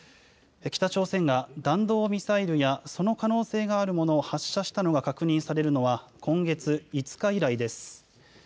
北朝鮮が弾道ミサイルやその可能性があるものを発射したのが確認されるのは今月５日以来です。